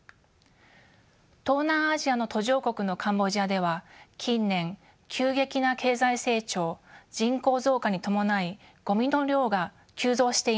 東南アジアの途上国のカンボジアでは近年急激な経済成長人口増加に伴いごみの量が急増しています。